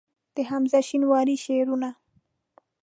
د حمزه شینواري شعرونه